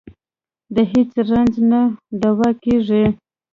د هېڅ رنځ نه دوا کېږي.